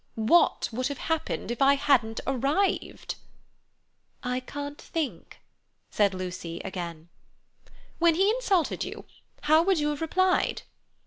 "What would have happened if I hadn't arrived?" "I can't think," said Lucy again. "When he insulted you, how would you have replied?"